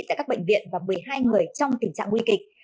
tại các bệnh viện và một mươi hai người trong tình trạng nguy kịch